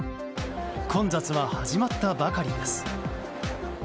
混雑は始まったばかりです。